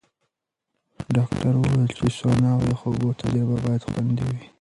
ډاکټره وویل چې سونا او یخو اوبو تجربه باید خوندي وي.